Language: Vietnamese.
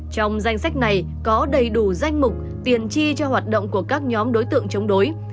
trong danh sách này có đầy đủ danh mục tiền chi cho hoạt động của các nhóm đối tượng chống đối